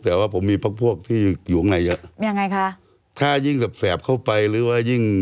แต่ว่าผมมีพักพวกที่อยู่ข้างในเยอะยังไงคะถ้ายิ่งแบบแสบเข้าไปหรือว่ายิ่ง